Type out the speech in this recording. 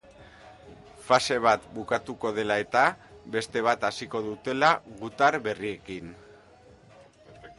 Fase bat bukatuko dela eta beste bat hasiko dutela, gutar berriekin.